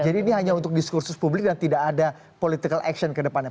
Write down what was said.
jadi ini hanya untuk diskursus publik dan tidak ada political action ke depannya